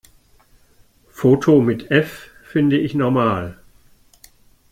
Foto mit F finde ich normal.